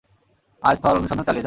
আর স্থল অনুসন্ধান চালিয়ে যাও।